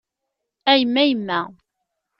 A yemma yemma.